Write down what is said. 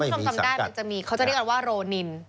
คุณผู้ชมจำได้มันจะมีเขาจะเรียกกันว่าโรนิน